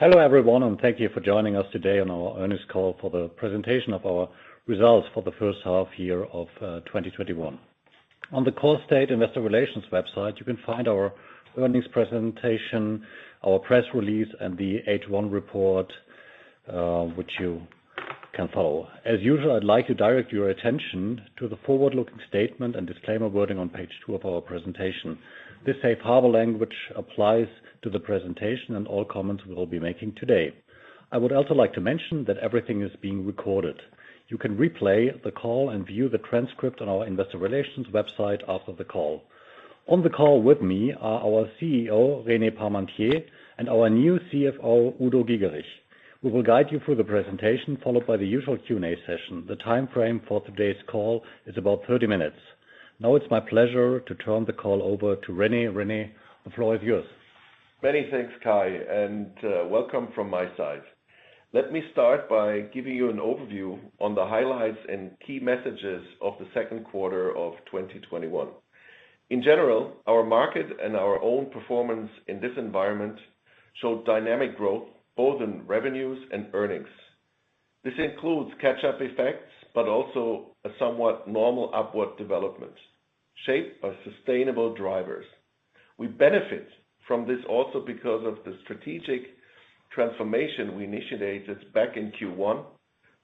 Hello everyone, thank you for joining us today on our earnings call for the presentation of our results for the first half-year of 2021. On the Corestate Investor Relations website, you can find our earnings presentation, our press release, and the H1 report, which you can follow. As usual, I'd like to direct your attention to the forward-looking statement and disclaimer wording on page two of our presentation. This safe harbor language applies to the presentation and all comments we will be making today. I would also like to mention that everything is being recorded. You can replay the call and view the transcript on our Investor Relations website after the call. On the call with me are our CEO, René Parmantier, our new CFO, Udo Giegerich, who will guide you through the presentation, followed by the usual Q&A session. The timeframe for today's call is about 30 minutes. Now it's my pleasure to turn the call over to René. René, the floor is yours. Many thanks, Kai, and welcome from my side. Let me start by giving you an overview on the highlights and key messages of the second quarter of 2021. In general, our market and our own performance in this environment showed dynamic growth both in revenues and earnings. This includes catch-up effects, but also a somewhat normal upward development, shaped by sustainable drivers. We benefit from this also because of the strategic transformation we initiated back in Q1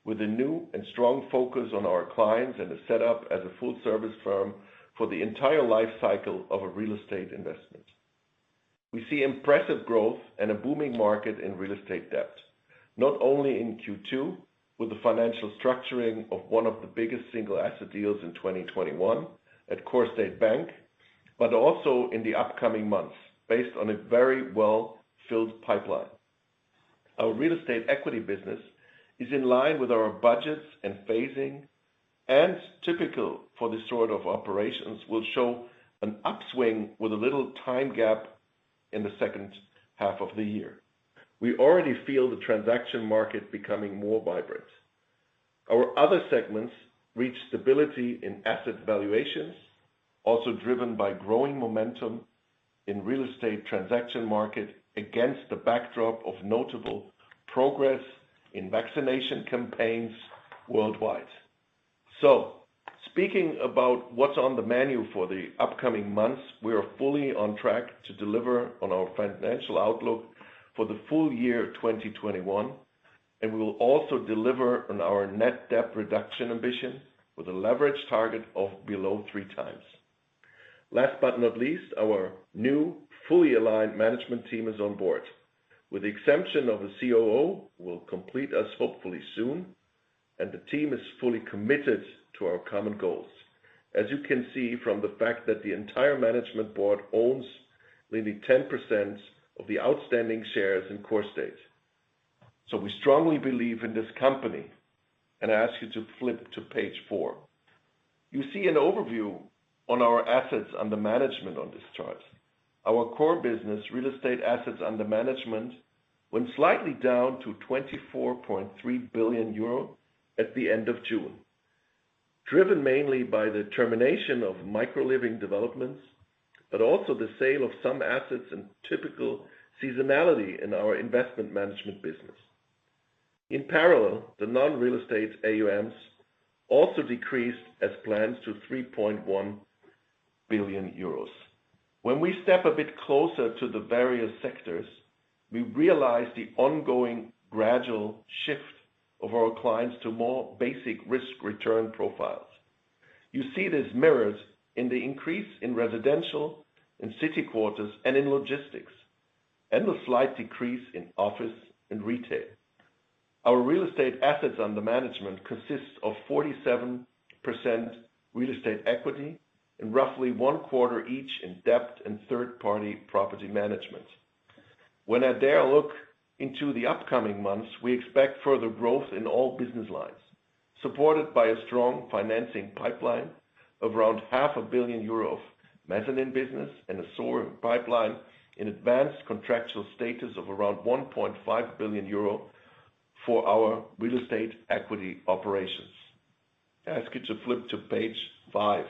with a new and strong focus on our clients and the setup as a full-service firm for the entire life cycle of a real estate investment. We see impressive growth and a booming market in real estate debt. Not only in Q2 with the financial structuring of one of the biggest single asset deals in 2021 at Corestate Bank, but also in the upcoming months based on a very well-filled pipeline. Our real estate equity business is in line with our budgets and phasing, and typical for this sort of operations will show an upswing with a little time gap in the second half of the year. We already feel the transaction market becoming more vibrant. Our other segments reach stability in asset valuations, also driven by growing momentum in real estate transaction market against the backdrop of notable progress in vaccination campaigns worldwide. Speaking about what's on the menu for the upcoming months, we are fully on track to deliver on our financial outlook for the full year 2021, and we will also deliver on our net debt reduction ambition with a leverage target of below 3x. Last but not least, our new fully aligned management team is on board. With the exception of a COO, will complete us hopefully soon, and the team is fully committed to our common goals. As you can see from the fact that the entire management board owns nearly 10% of the outstanding shares in Corestate. We strongly believe in this company and ask you to flip to page four. You see an overview on our assets under management on this chart. Our core business real estate assets under management went slightly down to 24.3 billion euro at the end of June. Driven mainly by the termination of micro-living developments, but also the sale of some assets and typical seasonality in our investment management business. In parallel, the non-real estate AUMs also decreased as planned to 3.1 billion euros. When we step a bit closer to the various sectors, we realize the ongoing gradual shift of our clients to more basic risk-return profiles. You see this mirrored in the increase in residential and city quarters and in logistics, and the slight decrease in office and retail. Our real estate assets under management consists of 47% real estate equity and roughly one quarter each in debt and third-party property management. When I dare look into the upcoming months, we expect further growth in all business lines, supported by a strong financing pipeline of around 0.5 Billion euro of mezzanine business and a solid pipeline in advanced contractual status of around 1.5 billion euro for our real estate equity operations. I ask you to flip to page five.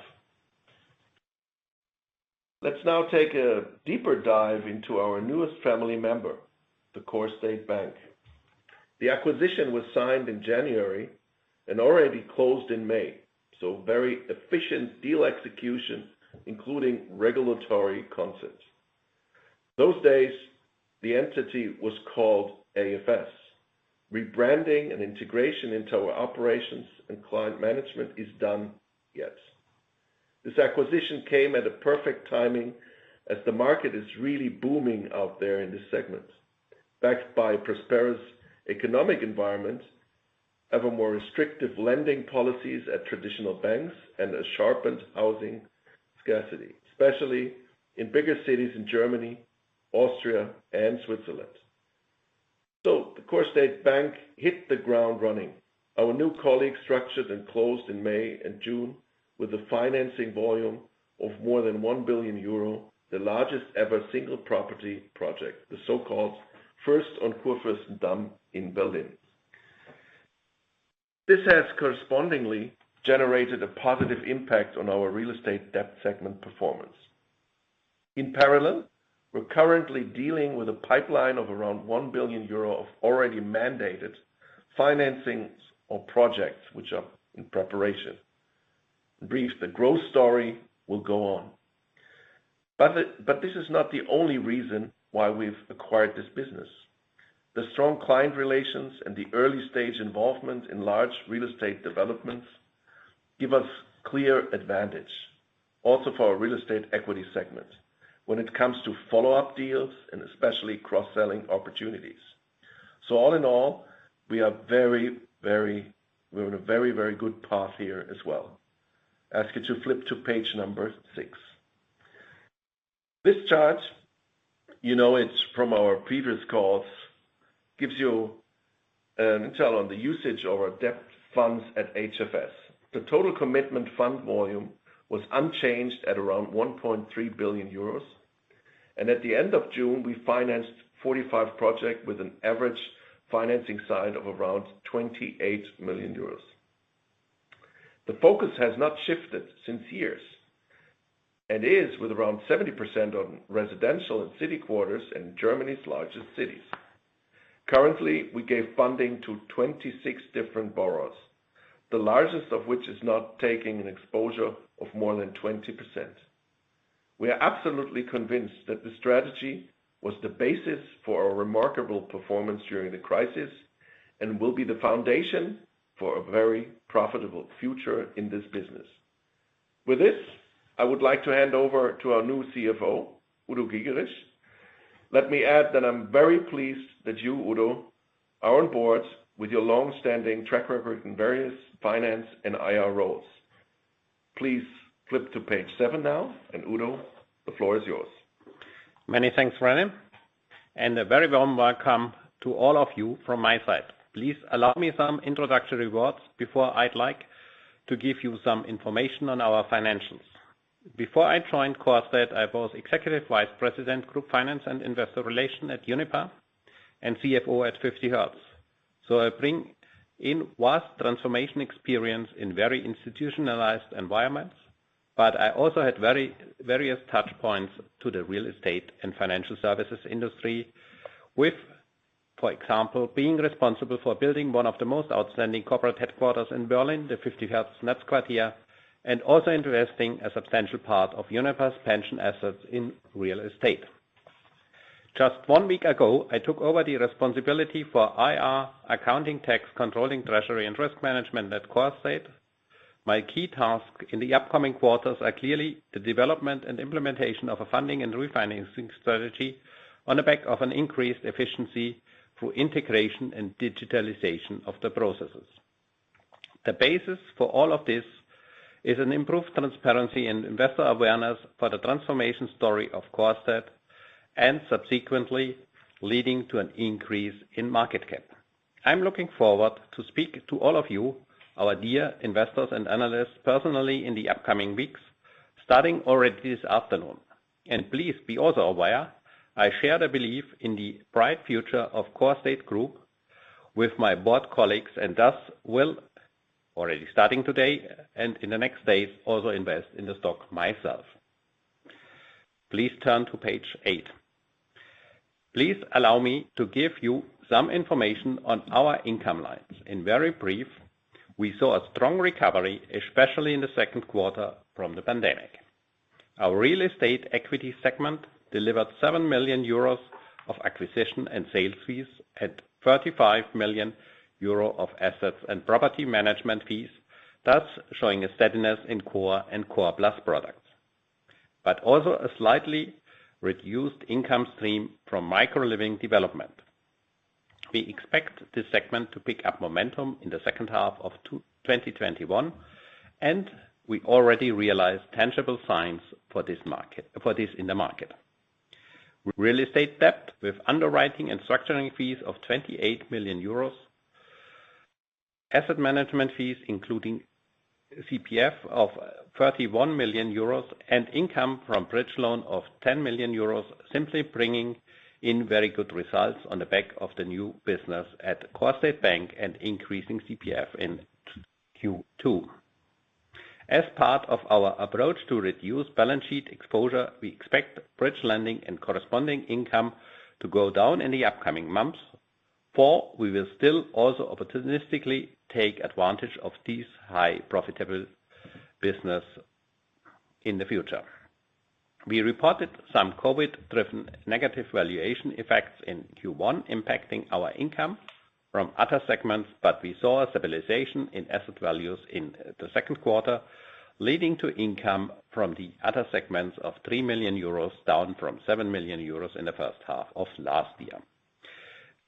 Let's now take a deeper dive into our newest family member, the Corestate Bank. The acquisition was signed in January and already closed in May, very efficient deal execution, including regulatory consent. Those days, the entity was called AFS. Rebranding and integration into our operations and client management is done, yet. This acquisition came at a perfect timing as the market is really booming out there in this segment. Backed by prosperous economic environment, ever more restrictive lending policies at traditional banks, and a sharpened housing scarcity, especially in bigger cities in Germany, Austria, and Switzerland. The Corestate Bank hit the ground running. Our new colleagues structured and closed in May and June with a financing volume of more than 1 billion euro, the largest-ever single property project, the so-called FÜRST on Kurfürstendamm in Berlin. This has correspondingly generated a positive impact on our real estate debt segment performance. In parallel, we're currently dealing with a pipeline of around 1 billion euro of already mandated financings or projects which are in preparation. In brief, the growth story will go on. This is not the only reason why we've acquired this business. The strong client relations and the early-stage involvement in large real estate developments give us clear advantage also for our real estate equity segment when it comes to follow-up deals and especially cross-selling opportunities. All in all, we are on a very good path here as well. Ask you to flip to page number six. This chart, you know it from our previous calls, gives you an intel on the usage of our debt funds at HFS. The total commitment fund volume was unchanged at around 1.3 billion euros. At the end of June, we financed 45 projects with an average financing size of around 28 million euros. The focus has not shifted since years and is with around 70% on residential and city quarters in Germany's largest cities. Currently, we gave funding to 26 different borrowers, the largest of which is not taking an exposure of more than 20%. We are absolutely convinced that the strategy was the basis for our remarkable performance during the crisis and will be the foundation for a very profitable future in this business. With this, I would like to hand over to our new CFO, Udo Giegerich. Let me add that I'm very pleased that you, Udo, are on board with your longstanding track record in various finance and IR roles. Please flip to page seven now. Udo, the floor is yours. Many thanks, René. A very warm welcome to all of you from my side. Please allow me some introductory words before I'd like to give you some information on our financials. Before I joined Corestate, I was Executive Vice President, Group Finance and Investor Relations at Uniper and CFO at 50Hertz. I bring in vast transformation experience in very institutionalized environments, but I also had various touch points to the real estate and financial services industry with, for example, being responsible for building one of the most outstanding corporate headquarters in Berlin, the 50Hertz Netzquartier, and also investing a substantial part of Uniper's pension assets in real estate. Just one week ago, I took over the responsibility for IR, accounting, tax, controlling treasury, and risk management at Corestate. My key tasks in the upcoming quarters are clearly the development and implementation of a funding and refinancing strategy on the back of an increased efficiency through integration and digitalization of the processes. The basis for all of this is an improved transparency and investor awareness for the transformation story of Corestate, subsequently leading to an increase in market cap. I'm looking forward to speak to all of you, our dear investors and analysts, personally in the upcoming weeks, starting already this afternoon. Please be also aware, I share the belief in the bright future of Corestate Group with my board colleagues, thus, will, already starting today and in the next days, also invest in the stock myself. Please turn to page eight. Please allow me to give you some information on our income lines. In very brief, we saw a strong recovery, especially in the second quarter from the pandemic. Our real estate equity segment delivered 7 million euros of acquisition and sales fees and 35 million euro of assets and property management fees, thus showing a steadiness in core and core plus products. Also a slightly reduced income stream from micro living development. We expect this segment to pick up momentum in the second half of 2021, and we already realize tangible signs for this in the market. Real estate debt with underwriting and structuring fees of 28 million euros, asset management fees including CPF of 31 million euros, and income from bridge loan of 10 million euros, simply bringing in very good results on the back of the new business at Corestate Bank and increasing CPF in Q2. As part of our approach to reduce balance sheet exposure, we expect bridge lending and corresponding income to go down in the upcoming months, for we will still also opportunistically take advantage of this high profitable business in the future. We reported some COVID-driven negative valuation effects in Q1 impacting our income from other segments, but we saw a stabilization in asset values in the second quarter, leading to income from the other segments of 3 million euros, down from 7 million euros in the first half of last year.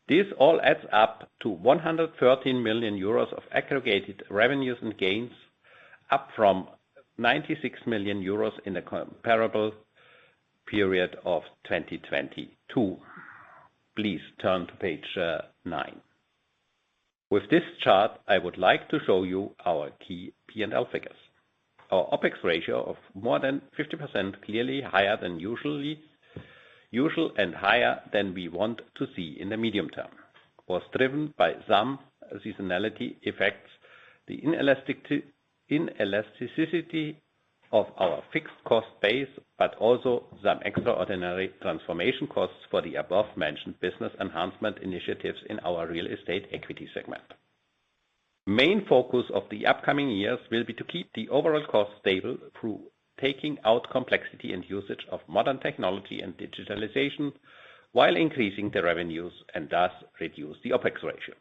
This all adds up to 113 million euros of aggregated revenues and gains, up from 96 million euros in the comparable period of 2020. Please turn to page nine. With this chart, I would like to show you our key P&L figures. Our OpEx ratio of more than 50%, clearly higher than usual and higher than we want to see in the medium term, was driven by some seasonality effects, the inelasticity of our fixed cost base, but also some extraordinary transformation costs for the above-mentioned business enhancement initiatives in our real estate equity segment. Main focus of the upcoming years will be to keep the overall cost stable through taking out complexity and usage of modern technology and digitalization while increasing the revenues and thus reduce the OpEx ratio.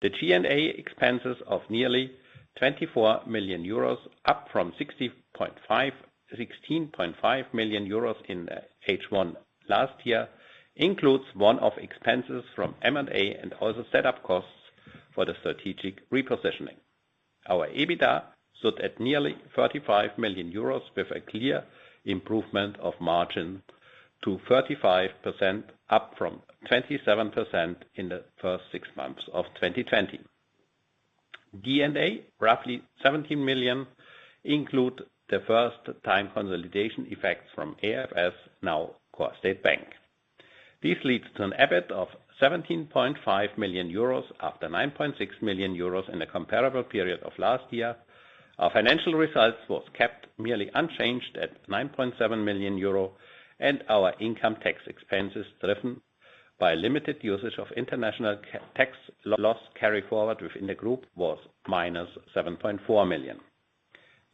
The G&A expenses of nearly 24 million euros, up from 16.5 million euros in H1 last year, includes one-off expenses from M&A and also set up costs for the strategic repositioning. Our EBITDA stood at nearly 35 million euros with a clear improvement of margin to 35%, up from 27% in the first six months of 2020. G&A, roughly 17 million, include the first-time consolidation effects from AFS, now Corestate Bank. This leads to an EBIT of 17.5 million euros after 9.6 million euros in the comparable period of last year. Our financial results was kept nearly unchanged at 9.7 million euro, and our income tax expenses, driven by limited usage of international tax loss carry-forward within the group, was -7.4 million.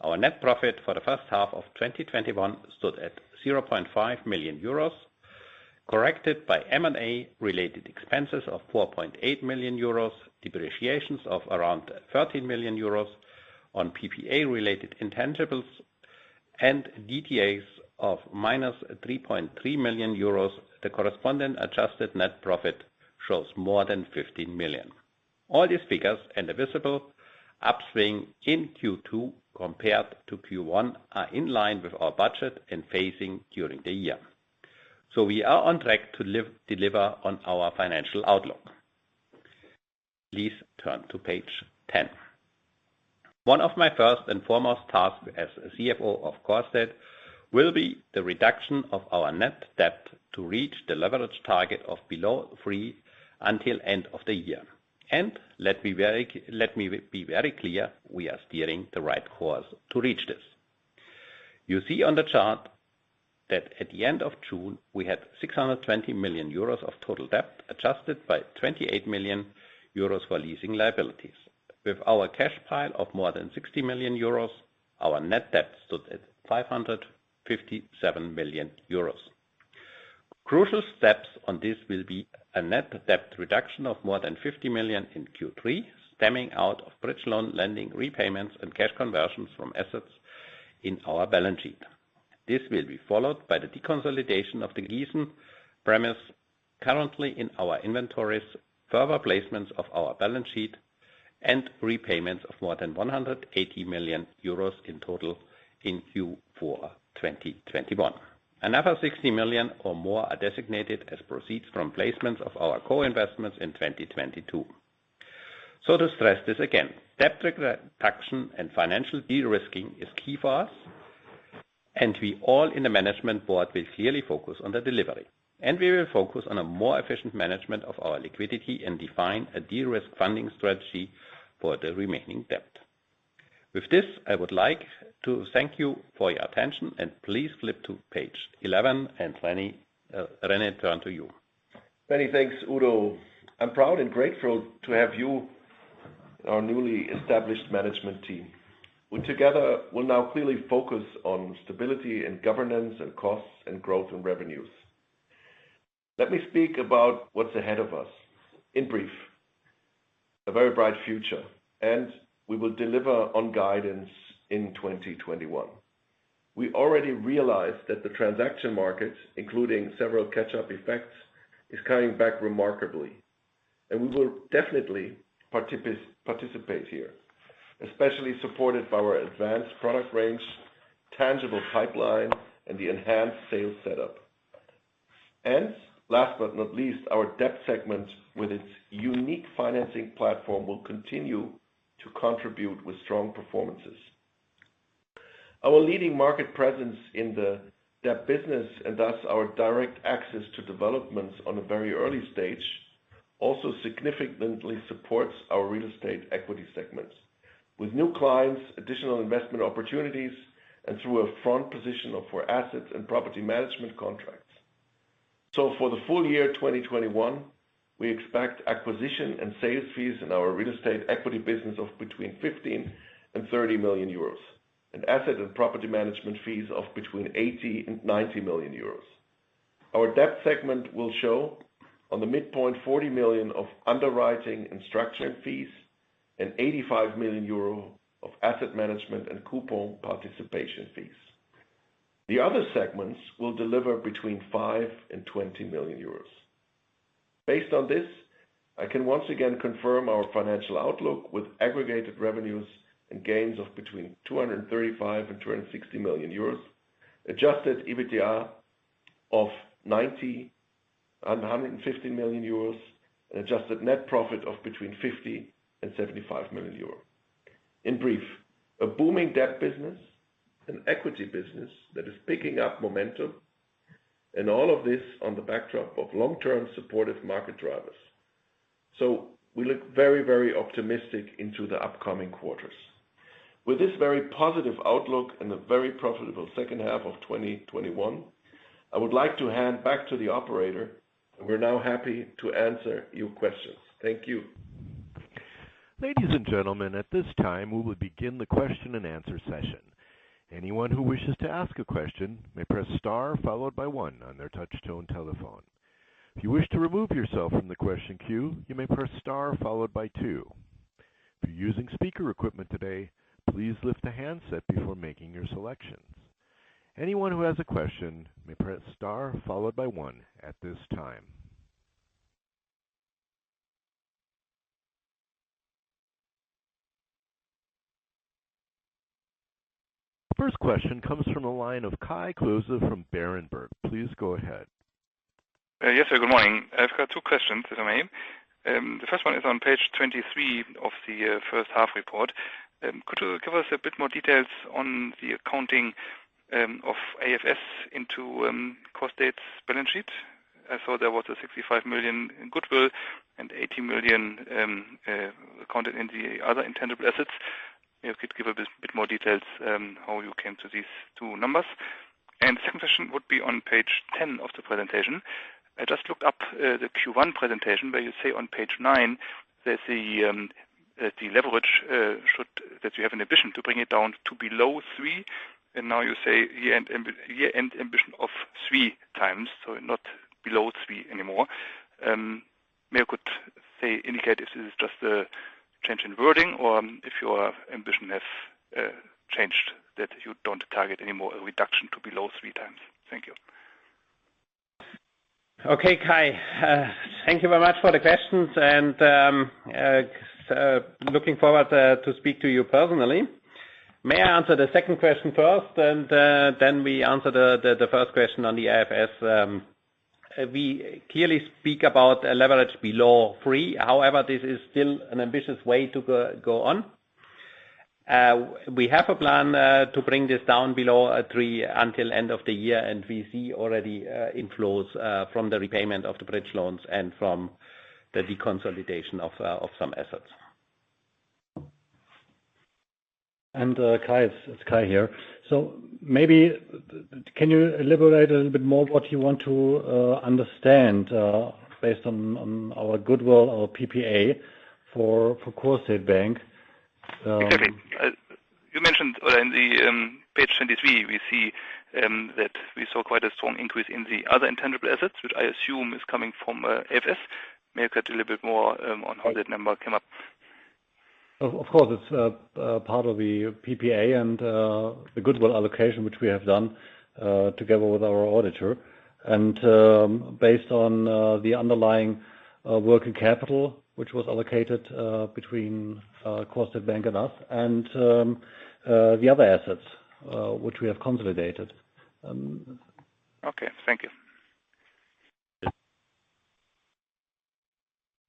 Our net profit for the first half of 2021 stood at 0.5 million euros, corrected by M&A related expenses of 4.8 million euros, depreciations of around 13 million euros on PPA related intangibles, and DTAs of -3.3 million euros, the corresponding adjusted net profit shows more than 15 million. All these figures and the visible upswing in Q2 compared to Q1 are in line with our budget and phasing during the year. We are on track to deliver on our financial outlook. Please turn to page 10. One of my first and foremost tasks as CFO of Corestate will be the reduction of our net debt to reach the leverage target of below three until end of the year. Let me be very clear, we are steering the right course to reach this. You see on the chart that at the end of June, we had 620 million euros of total debt adjusted by 28 million euros for leasing liabilities. With our cash pile of more than 60 million euros, our net debt stood at 557 million euros. Crucial steps on this will be a net debt reduction of more than 50 million in Q3, stemming out of bridge loan lending repayments and cash conversions from assets in our balance sheet. This will be followed by the deconsolidation of the Giessen premise currently in our inventories, further placements of our balance sheet, and repayments of more than 180 million euros in total in Q4 2021. Another 60 million or more are designated as proceeds from placements of our co-investments in 2020. To stress this again, debt reduction and financial de-risking is key for us, and we all in the management board will clearly focus on the delivery. We will focus on a more efficient management of our liquidity and define a de-risk funding strategy for the remaining debt. With this, I would like to thank you for your attention, and please flip to page 11. René, turn to you. Many thanks, Udo. I'm proud and grateful to have you in our newly established management team. We together will now clearly focus on stability and governance and costs and growth and revenues. Let me speak about what's ahead of us. In brief, a very bright future, and we will deliver on guidance in 2021. We already realized that the transaction market, including several catch-up effects, is coming back remarkably, and we will definitely participate here, especially supported by our advanced product range, tangible pipeline, and the enhanced sales setup. Last but not least, our debt segment with its unique financing platform will continue to contribute with strong performances. Our leading market presence in the debt business, and thus our direct access to developments on a very early stage, also significantly supports our real estate equity segments with new clients, additional investment opportunities, and through a front position for assets and property management contracts. For the full year 2021, we expect acquisition and sales fees in our real estate equity business of between 15 million and 30 million euros, and asset and property management fees of between 80 million and 90 million euros. Our debt segment will show on the midpoint 40 million of underwriting and structuring fees and 85 million euro of asset management and coupon participation fees. The other segments will deliver between 5 million and 20 million euros. Based on this, I can once again confirm our financial outlook with aggregated revenues and gains of between 235 million and 260 million euros, adjusted EBITDA of 90 million euros and 150 million euros and adjusted net profit of between 50 million and 75 million euros. In brief, a booming debt business, an equity business that is picking up momentum, and all of this on the backdrop of long-term supportive market drivers. We look very optimistic into the upcoming quarters. With this very positive outlook and a very profitable second half of 2021, I would like to hand back to the operator, and we're now happy to answer your questions. Thank you. Ladies and gentlemen, at this time, we will begin the question and answer session. Anyone who wishes to ask a question may press star followed by one on their touchtone telephone. If you wish to you wish to remove yourself from the question queue, you may press star followed by two. If you are using speaker equipment today, please lift the handset before making your selections. Anyone who has a question may press star followed by one at this time. First question comes from the line of Kai Klose from Berenberg. Please go ahead. Yes, sir. Good morning. I've got two questions, if I may. The first one is on page 23 of the first half report. Could you give us a bit more details on the accounting of AFS into Corestate's balance sheet? I saw there was a 65 million in goodwill and 80 million accounted in the other intangible assets. Could you give a bit more details on how you came to these two numbers? The second question would be on page 10 of the presentation. I just looked up the Q1 presentation where you say on page nine that you have an ambition to bring it down to below three, now you say year-end ambition of 3x, so not below 3x anymore. Maybe you could indicate if this is just a change in wording or if your ambition has changed, that you don't target any more reduction to below 3x. Thank you. Okay, Kai. Thank you very much for the questions and looking forward to speak to you personally. May I answer the second question first. Then we answer the first question on the AFS. We clearly speak about a leverage below 3x. However, this is still an ambitious way to go on. We have a plan to bring this down below a three until end of the year. We see already inflows from the repayment of the bridge loans and from the deconsolidation of some assets. Kai, it's Kai here. Maybe, can you elaborate a little bit more what you want to understand based on our goodwill or PPA for Corestate Bank? Exactly. You mentioned, in page 23, we see that we saw quite a strong increase in the other intangible assets, which I assume is coming from AFS. Maybe you could elaborate more on how that number came up. Of course, it's part of the PPA and the goodwill allocation, which we have done together with our auditor, and based on the underlying working capital, which was allocated between Corestate Bank and us, and the other assets which we have consolidated. Okay. Thank you.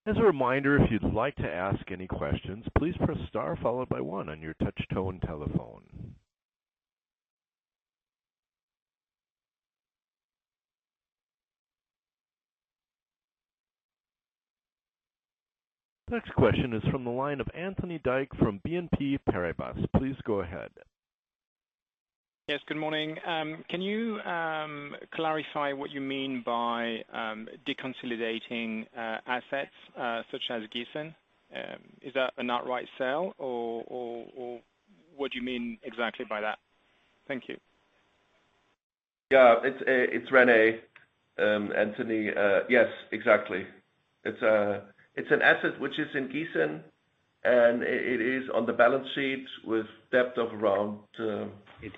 As a reminder, if you would like to ask any question, please press star followed by one on your touchtone telephone. Next question is from the line of Anthony Duyck from BNP Paribas. Please go ahead. Yes, good morning. Can you clarify what you mean by deconsolidating assets such as Giessen? Is that an outright sale, or what do you mean exactly by that? Thank you. It's René. Anthony. Yes, exactly. It's an asset which is in Giessen, and it is on the balance sheet with debt of around 55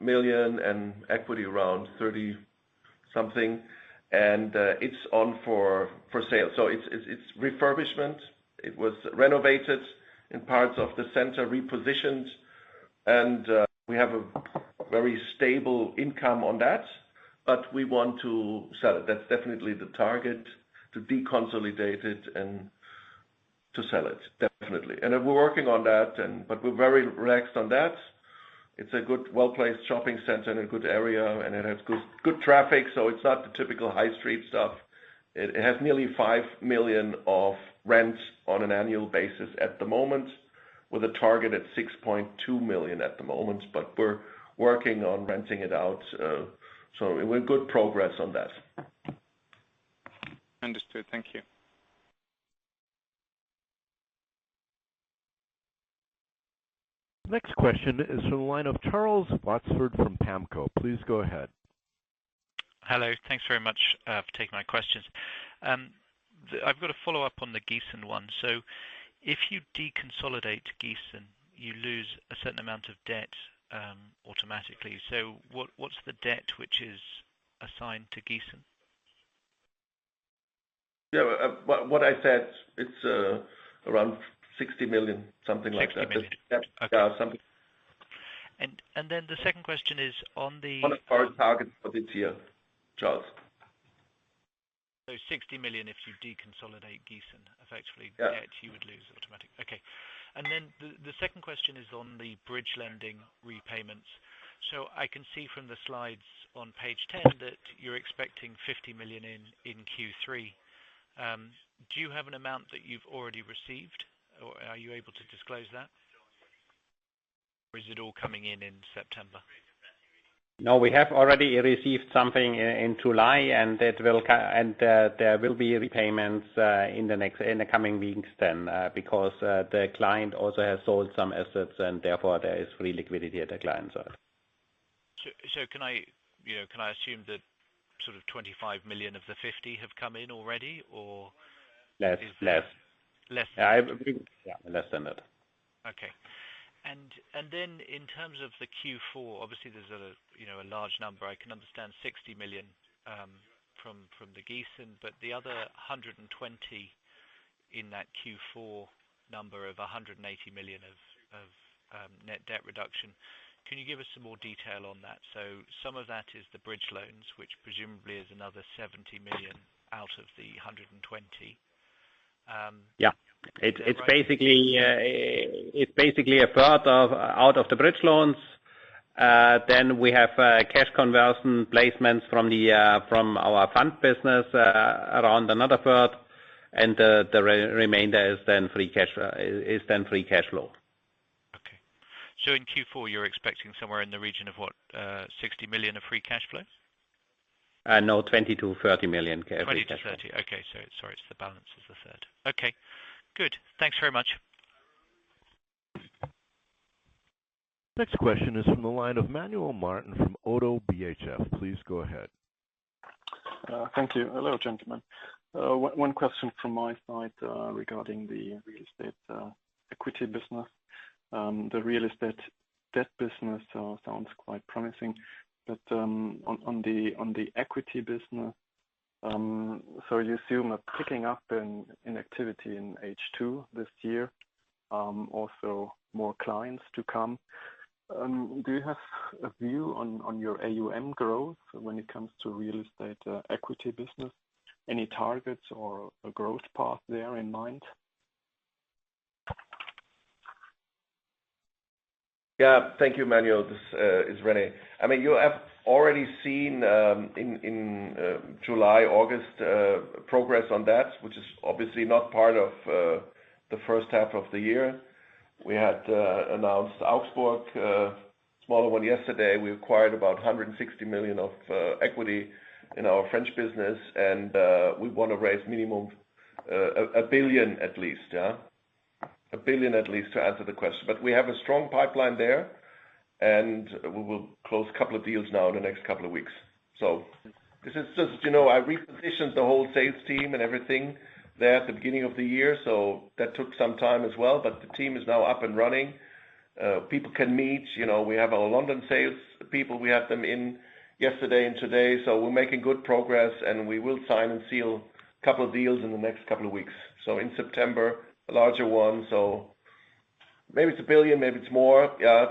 million and equity around 30 something. It's on for sale. It's refurbishment. It was renovated in parts of the center, repositioned, and we have a very stable income on that, but we want to sell it. That's definitely the target, to deconsolidate it and to sell it. Definitely. We're working on that, but we're very relaxed on that. It's a good, well-placed shopping center in a good area, and it has good traffic, so it's not the typical high street stuff. It has nearly 5 million of rents on an annual basis at the moment, with a target at 6.2 million at the moment, but we're working on renting it out. We've good progress on that. Understood. Thank you. Next question is from the line of Charles Watford from PIMCO. Please go ahead. Hello. Thanks very much for taking my questions. I've got a follow-up on the Giessen one. If you deconsolidate Giessen, you lose a certain amount of debt automatically. What's the debt which is assigned to Giessen? Yeah. What I said, it's around 60 million, something like that. 60 million. Yeah. Something. The second question is on the. On the current target for this year, Charles. 60 million if you de-consolidate Giessen. Yeah. You would lose automatically. Okay. The second question is on the bridge lending repayments. I can see from the slides on page 10 that you're expecting 50 million in Q3. Do you have an amount that you've already received, or are you able to disclose that? Or is it all coming in in September? No, we have already received something in July, and there will be repayments in the coming weeks then, because the client also has sold some assets and therefore there is free liquidity at the client side. Can I assume that sort of 25 million of the 50 have come in already? Less. Less. Yeah. Less than that. Okay. In terms of the Q4, obviously there's a large number. I can understand 60 million from the Giessen, the other 120 in that Q4 number of 180 million of net debt reduction, can you give us some more detail on that? Some of that is the bridge loans, which presumably is another 70 million out of the 120. Yeah. It's basically a third out of the bridge loans. We have cash conversion placements from our fund business around another third, and the remainder is then free cash flow. Okay. In Q4, you're expecting somewhere in the region of what, 60 million of free cash flow? No, 20 million-30 million free cash flow. 20 million-30 million. Okay. Sorry, it's the balance is the third. Okay, good. Thanks very much. Next question is from the line of Manuel Martin from ODDO BHF. Please go ahead. Thank you. Hello, gentlemen. One question from my side regarding the real estate equity business. The real estate debt business sounds quite promising, but on the equity business, so you assume a picking up in activity in H2 this year, also more clients to come. Do you have a view on your AUM growth when it comes to real estate equity business? Any targets or a growth path there in mind? Yeah. Thank you, Manuel. This is René. You have already seen in July, August progress on that, which is obviously not part of the first half of the year. We had announced Augsburg, a smaller one yesterday. We acquired about 160 million of equity in our French business. We want to raise minimum 1 billion at least. 1 billion at least to answer the question. We have a strong pipeline there, and we will close a couple of deals now in the next couple of weeks. I repositioned the whole sales team and everything there at the beginning of the year. That took some time as well, but the team is now up and running. People can meet. We have our London sales people. We have them in yesterday and today, so we're making good progress, and we will sign and seal couple of deals in the next couple of weeks. In September, a larger one. Maybe it's 1 billion, maybe it's more. Yeah.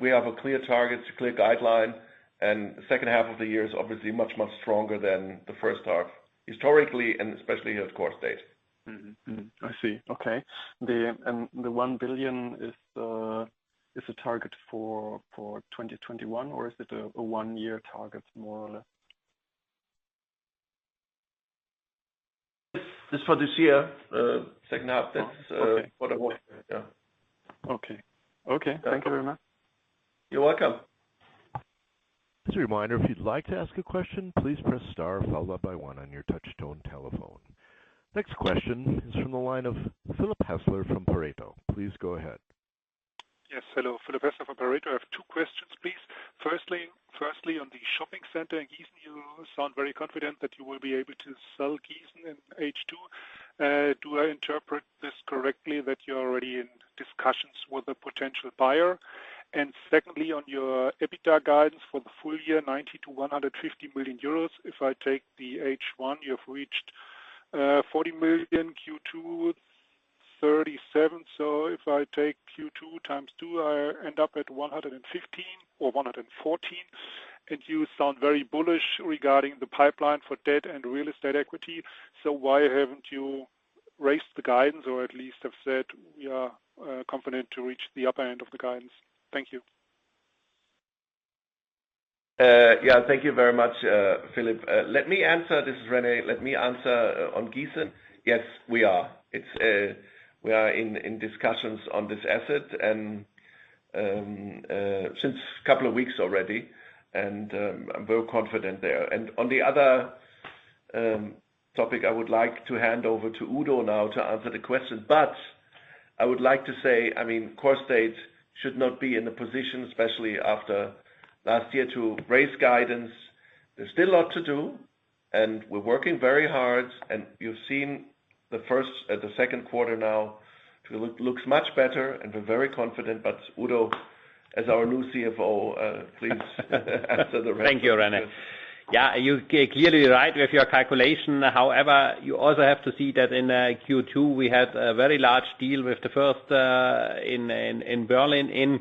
We have a clear target, a clear guideline, and the second half of the year is obviously much, much stronger than the first half, historically, and especially at Corestate. Mm-hmm. I see. Okay. The 1 billion is a target for 2021, or is it a one-year target, more or less? It's for this year, second half. Oh, okay. That's what I want. Yeah. Okay. Thank you very much. You're welcome. As a reminder, if you would like to ask a question, please press star followed by one on your touchtone telephone. Next question is from the line of Philipp Hässler from Pareto. Please go ahead. Yes. Hello. Philipp Hässler from Pareto. I have two questions, please. Firstly, on the shopping center in Giessen, you sound very confident that you will be able to sell Giessen in H2. Do I interpret this correctly that you're already in discussions with a potential buyer? Secondly, on your EBITDA guidance for the full year, 90 million-150 million euros. If I take the H1, you have reached 40 million, Q2, 37 million. If I take Q2 times two, I end up at 115 million or 114 million. You sound very bullish regarding the pipeline for debt and real estate equity. Why haven't you raised the guidance or at least have said you are confident to reach the upper end of the guidance? Thank you. Yeah. Thank you very much, Philipp. This is René. Let me answer on Giessen. Yes, we are in discussions on this asset since a couple of weeks already. I'm very confident there. On the other topic, I would like to hand over to Udo now to answer the question. I would like to say, Corestate should not be in a position, especially after last year, to raise guidance. There's still a lot to do, and we're working very hard, and you've seen the second quarter now. It looks much better, and we're very confident. Udo, as our new CFO, please answer the rest. Thank you, René. Yeah, you're clearly right with your calculation. However, you also have to see that in Q2, we had a very large deal with the FÜRST in Berlin.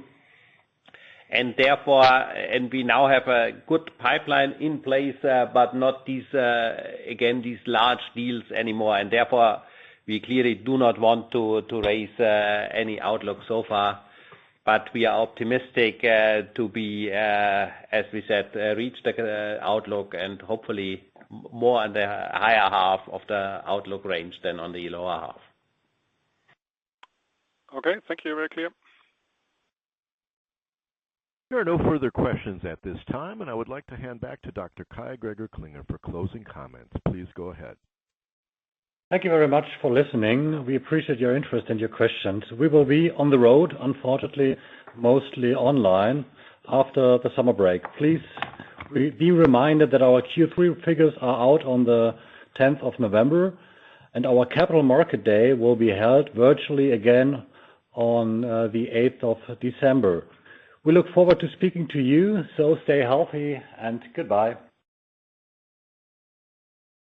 We now have a good pipeline in place, but not again these large deals anymore. Therefore, we clearly do not want to raise any outlook so far. We are optimistic to be, as we said, reach the outlook and hopefully more on the higher half of the outlook range than on the lower half. Okay. Thank you. Very clear. There are no further questions at this time, and I would like to hand back to Dr. Kai Gregor Klinger for closing comments. Please go ahead. Thank you very much for listening. We appreciate your interest and your questions. We will be on the road, unfortunately, mostly online after the summer break. Please be reminded that our Q3 figures are out on the 10th November, and our Capital Markets Day will be held virtually again on the 8th December. We look forward to speaking to you, stay healthy and goodbye.